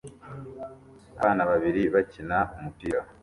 Abana babiri bakina umupira